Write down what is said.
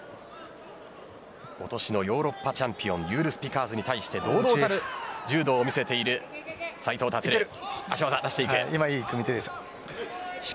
今年のヨーロッパチャンピオンユール・スピカーズに対して堂々たる柔道を見せている斉藤立です。